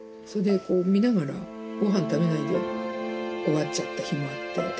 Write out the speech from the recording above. それで見ながらごはん食べないで終わっちゃった日もあって。